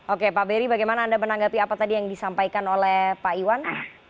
oke pak beri bagaimana anda menanggapi apa tadi yang disampaikan oleh pak iwan